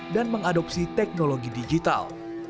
dan mengadopsi teknologi digital